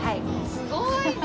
すごいね！